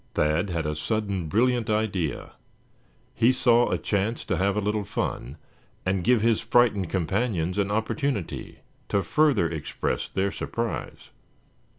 Thad had a sudden brilliant idea. He saw a chance to have a little fun, and give his frightened companions an opportunity to further express their surprise.